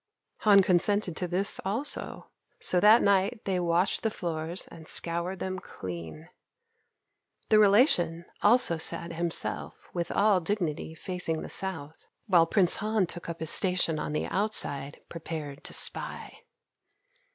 Han consented to this also, so that night they washed the floors and scoured them clean. The relation also sat himself with all dignity facing the south, while Prince Han took up his station on the outside prepared to spy.